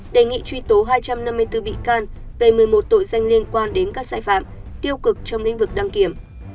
đề nghị truy tố hai trăm năm mươi bốn bị can về một mươi một tội danh liên quan đến các sai phạm tiêu cực trong lĩnh vực đăng kiểm